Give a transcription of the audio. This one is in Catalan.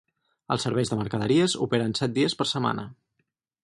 Els serveis de mercaderies operen set dies per setmana.